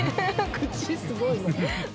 口、すごいね。